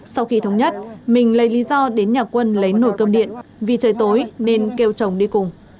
sau khi thống nhất mình lấy lý do đến nhà quân lấy nồi cơm điện vì trời tối nên kêu chồng đi cùng